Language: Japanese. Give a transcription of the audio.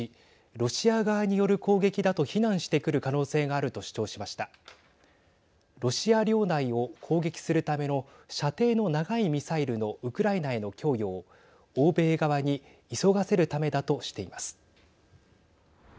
ロシア領内を攻撃するための射程の長いミサイルのウクライナへの供与を欧米側に急がせるためだとしています。